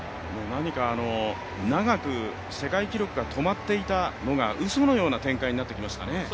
長く世界記録が止まっていたのがうそのような展開になってきましたね。